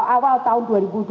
awal tahun dua ribu dua puluh